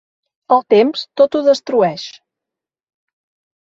El temps tot ho destrueix.